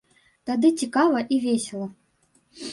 Тады цікава і весела.